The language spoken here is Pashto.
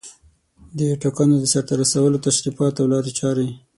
د ټاکنو د سرته رسولو تشریفات او لارې چارې